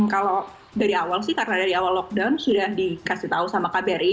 kalau dari awal sih karena dari awal lockdown sudah dikasih tahu sama kbri